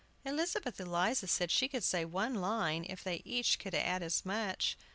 Elizabeth Eliza said she could say one line, if they each could add as much.